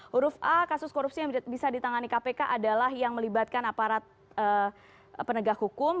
huruf a kasus korupsi yang bisa ditangani kpk adalah yang melibatkan aparat penegak hukum